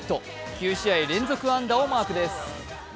９試合連続安打をマークです。